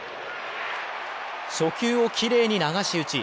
初球をきれいに流し打ち。